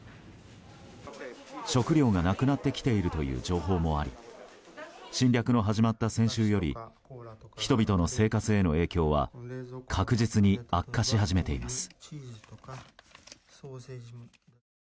食料がなくなってきているという情報もあり侵略の始まった先週より人々の生活への影響は確実に悪化し始めています。